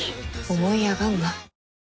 思い上がんな。